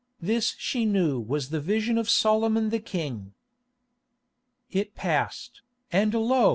This she knew was the vision of Solomon the King. It passed, and lo!